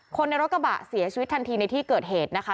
คนในรถกระบะเสียชีวิตทันทีในที่เกิดเหตุนะคะ